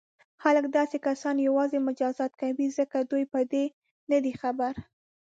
خلک داسې کسان یوازې مجازات کوي ځکه دوی په دې نه دي خبر.